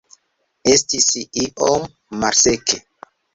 Estis iom malseke.